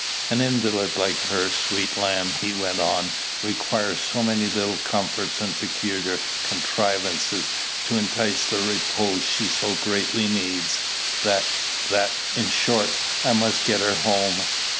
"An invalid like her, sweet lamb!" he went on, "requires so many little comforts and peculiar contrivances to entice the repose she so greatly needs, that that in short, I must get her home."